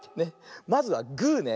まずはグーね。